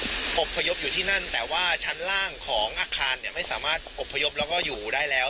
อบพยพอยู่ที่นั่นแต่ว่าชั้นล่างของอาคารเนี่ยไม่สามารถอบพยพแล้วก็อยู่ได้แล้ว